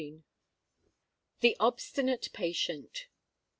THE OBSTINATE PATIENT.